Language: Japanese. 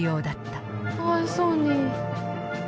かわいそうに。